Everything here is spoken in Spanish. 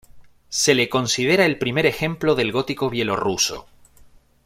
Se le considera el primer ejemplo del Gótico bielorruso.